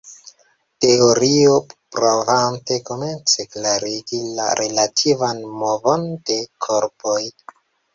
Teorio provante komence klarigi la relativan movon de korpoj.